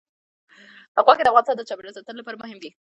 غوښې د افغانستان د چاپیریال ساتنې لپاره مهم دي.